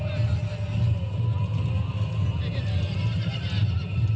สวัสดีครับทุกคน